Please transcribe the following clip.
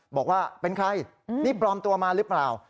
บอกว่าเป็นใครนี่ปลอมตัวมาหรือเปล่า